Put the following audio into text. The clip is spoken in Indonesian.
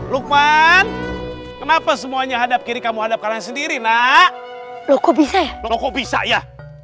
lukman kenapa semuanya hadap kiri kamu hadap kalian sendiri nah loko bisa loko bisa ya